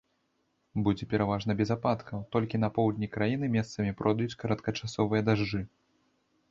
Будзе пераважна без ападкаў, толькі на поўдні краіны месцамі пройдуць кароткачасовыя дажджы.